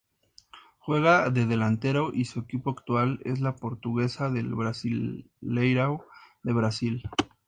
Juega de delantero y su equipo actual es el Portuguesa del Brasileirao de Brasil.